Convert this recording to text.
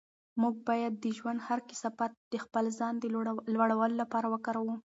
موږ باید د ژوند هر کثافت د خپل ځان د لوړولو لپاره وکاروو.